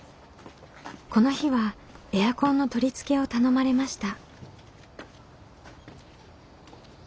この日はエアコンの取り付けを頼まれました。